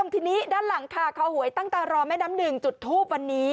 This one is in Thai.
ทีนี้ด้านหลังค่ะคอหวยตั้งตารอแม่น้ำหนึ่งจุดทูปวันนี้